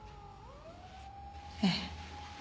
ええ。